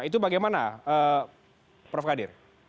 itu bagaimana prof khadir